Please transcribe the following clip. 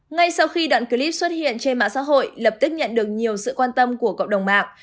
ngay sau khi đoạn clip xuất hiện trên mạng xã hội lập tức nhận được nhiều sự quan tâm của cộng đồng mạng